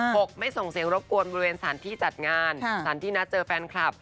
กไม่ส่งเสียงรบกวนบริเวณสถานที่จัดงานสถานที่นัดเจอแฟนคลับ